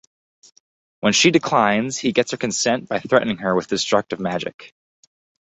When she declines he gets her consent by threatening her with destructive magic.